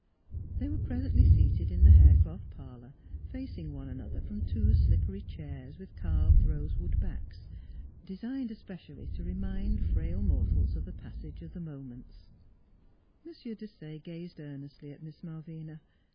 .They were presently seated in the hair cloth 350 NEIGHBORS parlor facing one another from two slippery chairs with carved rosewood backs, designed especially to remind frail mortals of the passage of the moments. M. Desaye gazed earnestly at Miss Malvina.